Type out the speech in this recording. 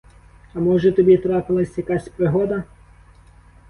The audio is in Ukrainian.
А може, тобі трапилась якась пригода?